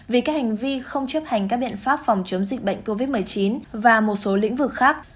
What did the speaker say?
vì các hành vi không chấp hành các biện pháp phòng chống dịch bệnh covid một mươi chín và một số lĩnh vực khác